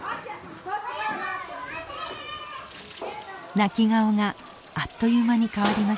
泣き顔があっという間に変わりました。